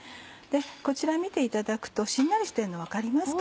こちら見ていただくとしんなりしてるの分かりますか？